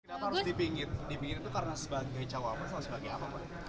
tidak harus dipinggit dipinggit itu karena sebagai jawab atau sebagai apa pak